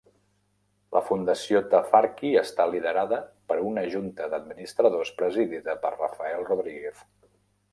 La Fundació Tafarki està liderada per una junta d'administradors presidida per Rafael Rodriguez.